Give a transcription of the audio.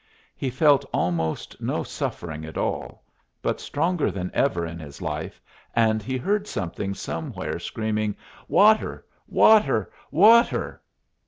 He felt almost no suffering at all, but stronger than ever in his life, and he heard something somewhere screaming "Water! water! water!"